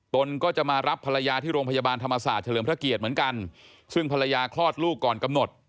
ตนก็จะมารับภรรยาที่โรงพยาบาลธรรมศาสตร์เฉลิมพระเกียรติเหมือนกันซึ่งภรรยาคลอดลูกก่อนกำหนด